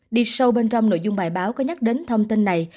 đi sâu bên trong nội dung bài báo có nhắc đến thông tin này